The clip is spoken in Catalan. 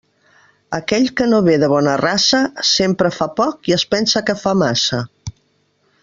Aquell que no ve de bona raça, sempre fa poc i es pensa que fa massa.